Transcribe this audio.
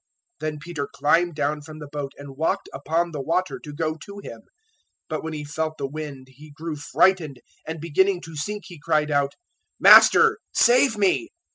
Then Peter climbed down from the boat and walked upon the water to go to Him. 014:030 But when he felt the wind he grew frightened, and beginning to sink he cried out, "Master, save me."